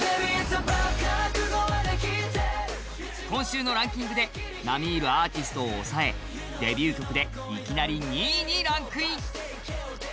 今週のランキングで並みいるアーティストを抑え、デビュー曲でいきなり第２位に。